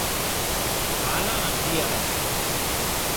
Ahala handia da